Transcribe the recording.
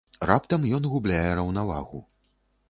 Раптам ён губляе раўнавагу.